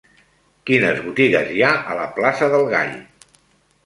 Quines botigues hi ha a la plaça del Gall?